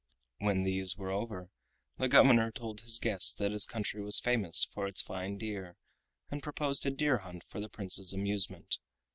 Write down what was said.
When these were over, the governor told his guest that his country was famous for its fine deer, and proposed a deer hunt for the Prince's amusement.